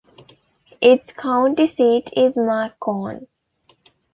Its county seat is Macon.